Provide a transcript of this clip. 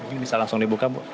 ini bisa langsung dibuka bu